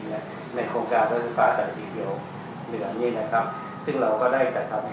ก็ได้มีการดูรายละเอียดนะครับบนความเจ็บเต็มทางเทคนิคแล้วเนี่ย